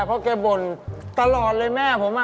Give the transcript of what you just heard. เพราะแกบ่นตลอดเลยแม่ผม